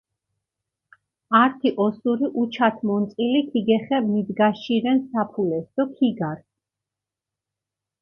ართი ოსური უჩათ მონწყილი ქიგეხე მიდგაშირენ საფულეს დო ქიგარს.